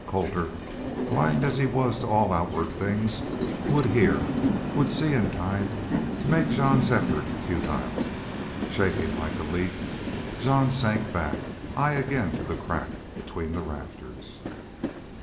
Colter, blind as he was to all outward things, would hear, would see in time to make Jean's effort futile. Shaking like a leaf, Jean sank back, eye again to the crack between the rafters.